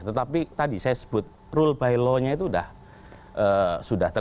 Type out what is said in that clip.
tetapi tadi saya sebut rule by law nya itu sudah terjadi